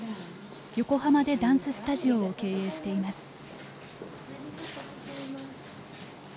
横浜でダンススタジオを経営しています。